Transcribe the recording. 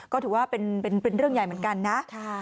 ก็ถือว่าเป็นเรื่องใหญ่เหมือนกันนะ